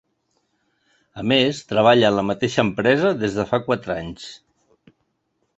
A més, treballa en la mateixa empresa des de fa quatre anys.